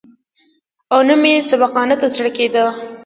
او نه مې سبقانو ته زړه کېده.